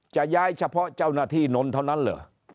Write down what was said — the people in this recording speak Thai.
จะย้ายเฉพาะเจ้าหน้าที่นนท์เท่านั้นเหรอ